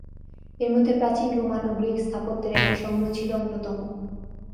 এর মধ্যে প্রাচীন রোমান ও গ্রিক স্থাপত্যের একটি সংগ্রহ ছিল অন্যতম।